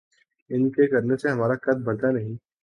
ان کے کرنے سے ہمارا قد بڑھتا نہیں۔